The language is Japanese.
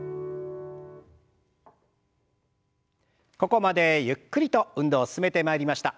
ここまでゆっくりと運動進めてまいりました。